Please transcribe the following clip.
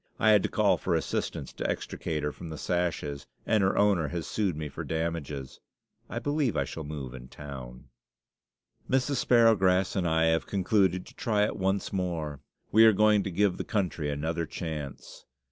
I had to call for assistance to extricate her from the sashes, and her owner has sued me for damages. I believe I shall move in town. Mrs. Sparrowgrass and I have concluded to try it once more; we are going to give the country another chance.